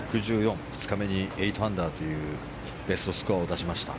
２日目に８アンダーというベストスコアを出しました。